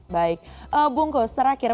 baik bukus terakhir